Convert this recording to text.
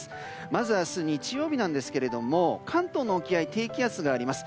まず明日、日曜日なんですが関東の沖合、低気圧があります。